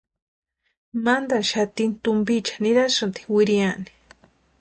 Mantani xatini tumpiicha nirasïnti wiriani.